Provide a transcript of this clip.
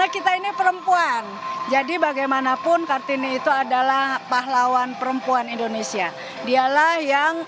kita ini perempuan jadi bagaimanapun kartini itu adalah pahlawan perempuan indonesia dialah yang